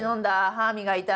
「歯磨いた？」